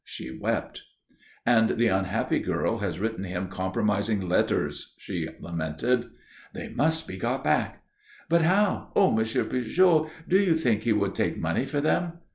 She wept. "And the unhappy girl has written him compromising letters," she lamented. "They must be got back." "But how? Oh, Monsieur Pujol, do you think he would take money for them?"